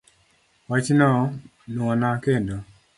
Wachno nuona kendo